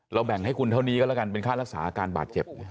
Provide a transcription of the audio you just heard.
แบ่งให้คุณเท่านี้ก็แล้วกันเป็นค่ารักษาอาการบาดเจ็บ